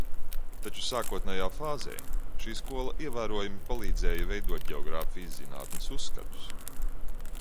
Taču sākotnējā fāzē šī skola ievērojami palīdzēja veidot ģeogrāfijas zinātnes uzskatus.